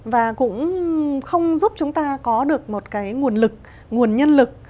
và cũng không giúp chúng ta có được một cái nguồn lực nguồn nhân lực